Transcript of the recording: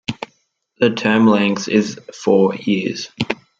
The term length is four years.